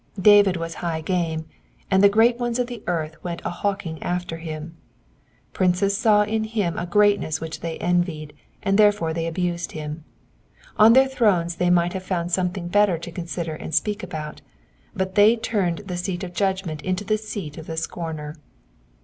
^'* David was high game, and the great ones of the earth went a hawking after him. Princes saw in him a greatness which they envied, and therefore they abused him. On their thrones they might have found something better to consider and speak about, but they turned the seat of judgment into the seat of the scomer.